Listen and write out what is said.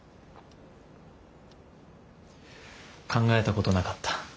考えたことなかった。